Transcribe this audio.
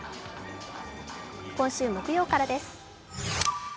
今週木曜からです。